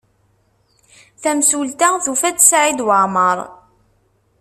Tamsulta tufa-d Saɛid Waɛmaṛ.